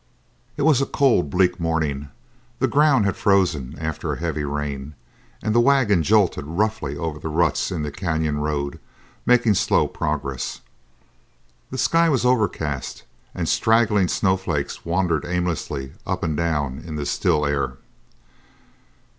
It was a cold, bleak morning. The ground had frozen after a heavy rain, and the wagon jolted roughly over the ruts in the canyon road, making slow progress. The sky was overcast and straggling snowflakes wandered aimlessly up and down in the still air.